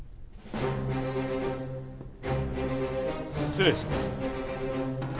失礼します。